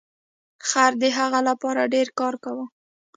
خر د هغه لپاره ډیر کار کاوه.